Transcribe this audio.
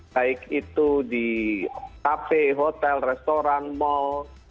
baik itu di kafe hotel restoran mal